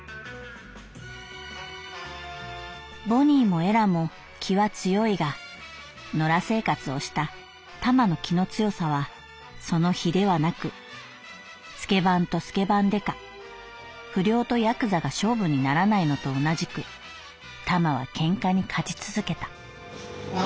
「ボニーもエラも気は強いが野良生活をしたタマの気の強さはその比ではなくスケバンとスケバン刑事不良とヤクザが勝負にならないのと同じくタマは喧嘩に勝ち続けた」。